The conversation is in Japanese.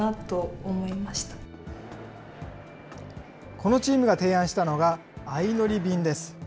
このチームが提案したのが、あいのり便です。